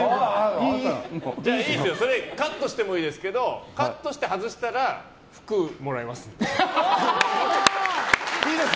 じゃあカットしてもいいですけどカットして外したら服、もらいます。